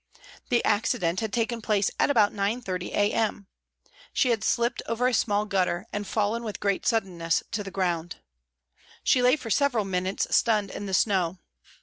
The accident had taken place at about 9.30 a.m. She had slipped over a small gutter and fallen with great suddenness to the ground. She lay for several minutes stunned in the snow.